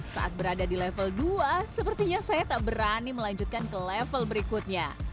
saat berada di level dua sepertinya saya tak berani melanjutkan ke level berikutnya